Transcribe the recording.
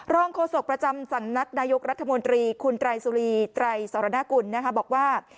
โฆษกประจำสำนักนายกรัฐมนตรีคุณไตรสุรีไตรสรณกุลบอกว่า